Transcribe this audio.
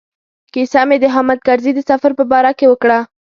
کیسه مې د حامد کرزي د سفر په باره کې وکړه.